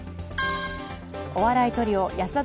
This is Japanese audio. お笑いトリオ安田